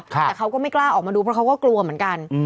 แต่เขาก็ไม่กล้าออกมาดูเพราะเขาก็กลัวเหมือนกัน